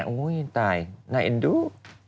อุ้ยตายน่าเอ็นดู